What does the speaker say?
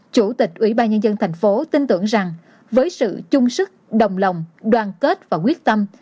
chủ tịch ủy ban nhân dân thành phố tin tưởng rằng với sự chung sức đồng lòng đoàn kết và quyết tâm